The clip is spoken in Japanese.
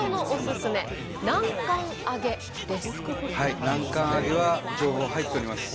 南関あげは情報入っております。